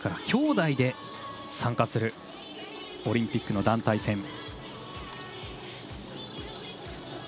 きょうだいで参加するオリンピックの団体戦。